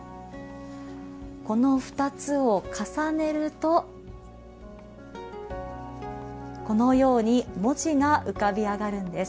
この２つを重ねるとこのように文字が浮かび上がるんです。